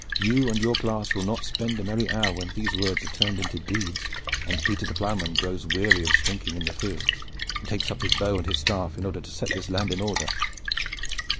"You and your class will not spend a merry hour when these words are turned into deeds and Peter the Plowman grows weary of swinking in the fields and takes up his bow and his staff in order to set this land in order."